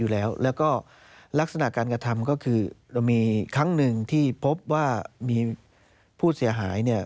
แล้วก็ลักษณะการกระทำก็คือเรามีครั้งหนึ่งที่พบว่ามีผู้เสียหาย